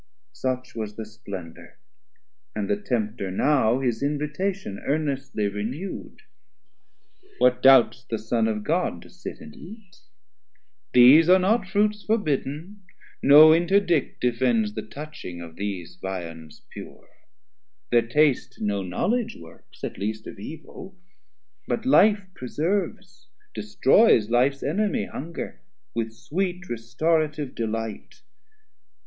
Such was the Splendour, and the Tempter now His invitation earnestly renew'd. What doubts the Son of God to sit and eat? These are not Fruits forbidden, no interdict Defends the touching of these viands pure, 370 Thir taste no knowledge works, at least of evil, But life preserves, destroys life's enemy, Hunger, with sweet restorative delight.